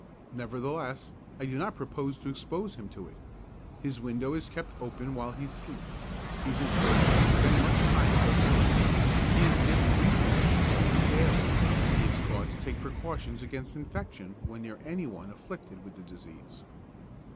Nevertheless, I do not propose to expose him to it. His window is kept open while he sleeps, he is encouraged to spend much time out of doors, he is given breathing exercises daily, he is taught to take precautions against infection when near any one afflicted with the disease.